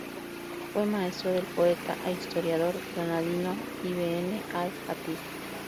Fue maestro del poeta e historiador granadino Ibn al-Jatib.